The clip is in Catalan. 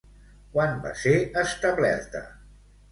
Quan va ser establerta?